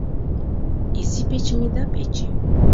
Изи печым ида пече.